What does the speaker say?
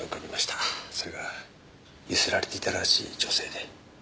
それが強請られていたらしい女性で。